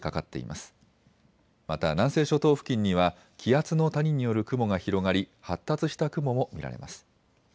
また南西諸島付近には気圧の谷による雲が広がり発達した雲も見られます。